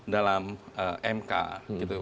dalam mk gitu